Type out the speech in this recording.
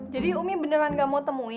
jadi ummi beneran gak mau temuin